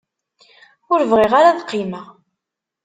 Ur bɣiɣ ara ad qqimeɣ.